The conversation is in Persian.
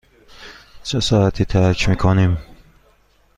چه ساعتی ترک می کنیم؟